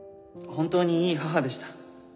本当にいい母でした。